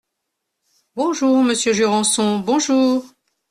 Bonjour, monsieur Jurançon, bonjour.